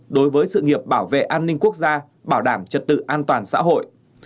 đối với sự nghiệp bảo vệ an ninh quốc gia bảo đảm trật tự an toàn xã hội